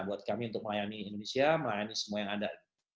buat kami untuk melayani indonesia melayani semua yang ada